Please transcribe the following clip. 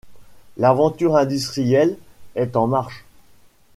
L’aventure industrielle est en marche.